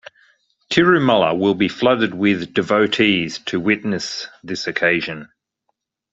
Tirumala will be flooded with devotes to witness this occasion.